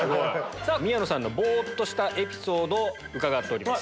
宮野さんのボっとしたエピソードを伺っております。